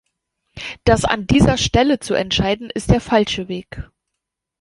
Das an dieser Stelle zu entscheiden, ist der falsche Weg.